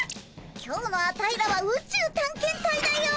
今日のアタイらは宇宙探検隊だよ。